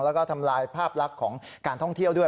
แล้วก็ทำลายภาพลักษณ์ของการท่องเที่ยวด้วย